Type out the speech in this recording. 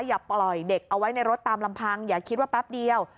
อย่าปล่อยเด็กเอาไว้ในรถตามลำพังอย่าคิดว่าแป๊บเดียว